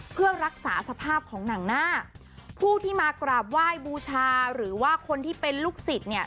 เพื่อรักษาสภาพของหนังหน้าผู้ที่มากราบไหว้บูชาหรือว่าคนที่เป็นลูกศิษย์เนี่ย